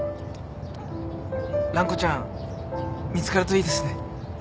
蘭子ちゃん見つかるといいですね。